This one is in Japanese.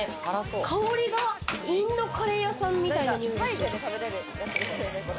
香りがインドカレー屋さんみたいな。